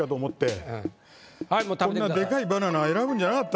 こんなでかいバナナ選ぶんじゃなかった。